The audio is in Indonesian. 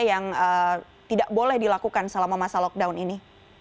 yang tidak boleh dilakukan selama masa lockdown ini